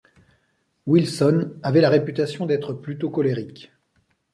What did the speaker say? Wilson avait la réputation d'être plutôt colérique.